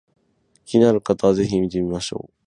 気になる方は是非見てみましょう